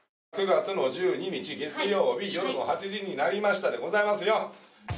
９月の１２日月曜日夜の８時になりましたでございますよ。